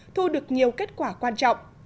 thu được nhiều kết quả quan trọng